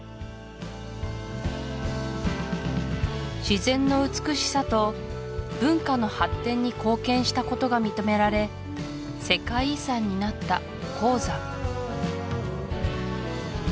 自然の美しさと文化の発展に貢献したことが認められ世界遺産になった黄山